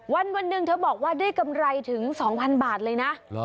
วันหนึ่งเธอบอกว่าได้กำไรถึง๒๐๐บาทเลยนะ